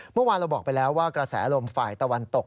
เมื่อวานเราบอกไปแล้วว่ากระแสลมฝ่ายตะวันตก